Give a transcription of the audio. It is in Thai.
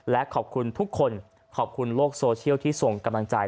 และขอบคุณทุกคนขอบคุณโลกโซเชียลที่ส่งกำลังใจ